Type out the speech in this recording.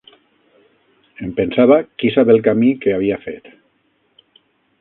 Em pensava qui sap el camí que havia fet